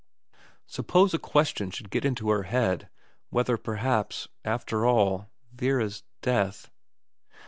. suppose a question should get into her head whether perhaps, after all, Vera's death